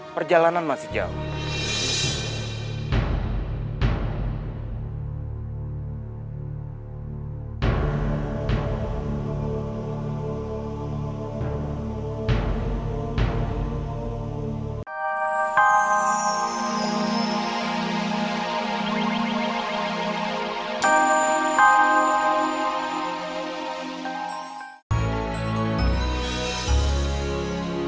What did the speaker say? perjalanan masih jauh